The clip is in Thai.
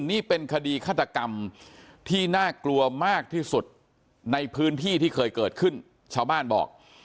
นี่เป็นคดีฆาตกรรมที่น่ากลัวมากที่สุดในพื้นที่ที่เคยเกิดขึ้นชาวบ้านบอก